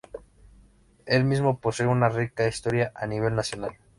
El mismo posee una rica historia a nivel nacional.